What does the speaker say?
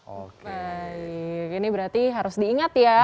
oke ini berarti harus diingat ya